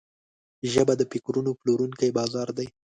ژبه د فکرونو پلورونکی بازار ده